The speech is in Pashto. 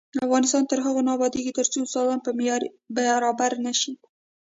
افغانستان تر هغو نه ابادیږي، ترڅو استادان په معیار برابر نشي.